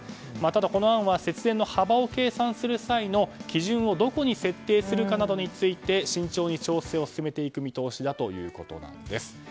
ただこの案は節電の幅を計算する際の基準をどこに設定するかなど慎重に調整を進めていく見通しだということです。